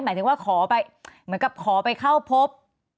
หมายถึงว่าขอไปเหมือนกับขอไปเข้าพบ